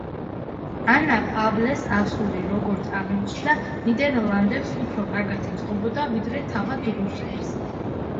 ანა პავლეს ასული, როგორც აღმოჩნდა ნიდერლანდელებს უფრო კარგად ეწყობოდა, ვიდრე თავად რუსებს.